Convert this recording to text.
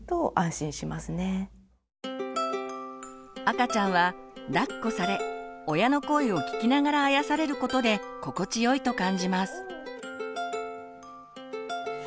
赤ちゃんはだっこされ親の声を聞きながらあやされることで心地よいと感じます。